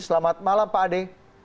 selamat malam pak ade